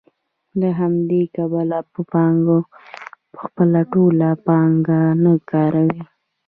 له همدې کبله پانګوال خپله ټوله پانګه نه کاروي